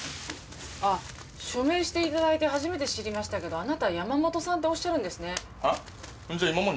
あっ署名していただいて初めて知りましたけどあなた山本さんっておっしゃるんですね。